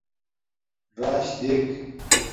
راش دیک